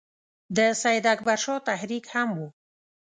د سید اکبر شاه تحریک هم وو.